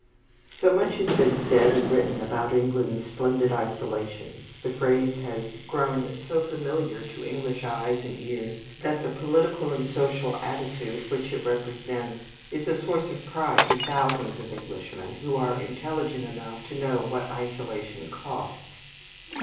So much has been said and written about England's "splendid isolation," the phrase has grown so familiar to English eyes and ears, that the political and social attitude which it represents is a source of pride to thousands of Englishmen who are intelligent enough to know what isolation costs.